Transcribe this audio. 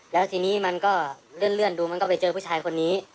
แล้วทีนี้มันก็เลื่อนดูมันก็ไปเจอผู้ชายคนนี้